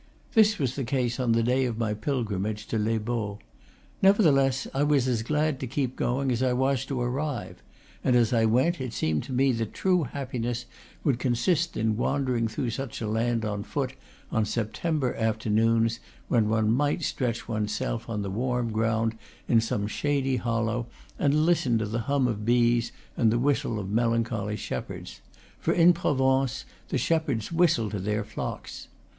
This was the case on the day of my pil grimage to Les Baux. Nevertheless, I was as glad to keep going as I was to arrive; and as I went it seemed to me that true happiness would consist in wandering through such a land on foot, on September afternoons, when one might stretch one's self on the warm ground in some shady hollow, and listen to the hum of bees and the whistle of melancholy shepherds; for in Provence the shepherds whistle to their flocks.